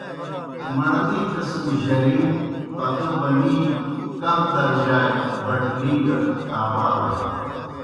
مڑنی قِسم جرِیݨِن، پتو بَنِی، کم درجائے بٹرِیں گہ تھاپاڑِن۔